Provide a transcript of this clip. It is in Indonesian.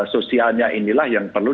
sosialnya inilah yang perlu